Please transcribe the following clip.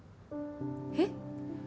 えっ？